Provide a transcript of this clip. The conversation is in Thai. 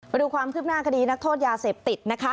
มาดูความคืบหน้าคดีนักโทษยาเสพติดนะคะ